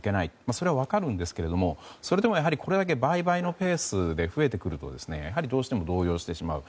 それは分かるんですがそれでもこれだけ倍々のペースで増えてくるとやはり、どうしても動揺してしまう。